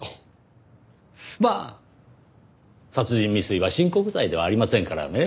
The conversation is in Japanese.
まあ殺人未遂は親告罪ではありませんからね。